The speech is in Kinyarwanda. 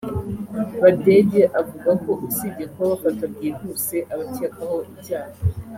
Badege avuga ko usibye kuba bafata byihuse abakekwaho ibyaha